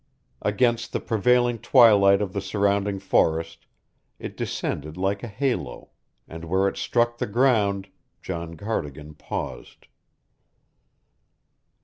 Against the prevailing twilight of the surrounding forest it descended like a halo, and where it struck the ground John Cardigan paused.